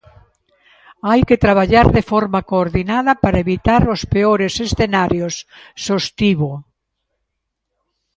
Hai que traballar de forma coordinada para evitar os peores escenarios, sostivo.